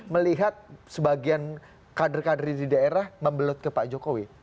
melihat sebagian kader kader di daerah membelut ke pak jokowi